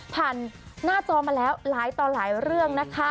ผ่านหน้าจอมาแล้วหลายต่อหลายเรื่องนะคะ